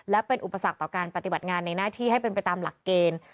และเป็นอุปสรรคต่อการปฏิบัติงานในหน้าที่ให้เป็นไปตามหลักเกณฑ์